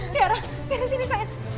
tiara ke sini sayang